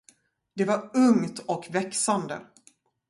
Det var ungt och växande.